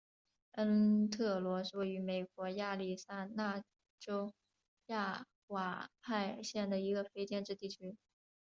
恩特罗是位于美国亚利桑那州亚瓦派县的一个非建制地区。